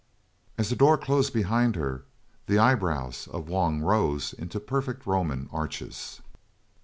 As the door closed behind her, the eye brows of Wung rose into perfect Roman arches.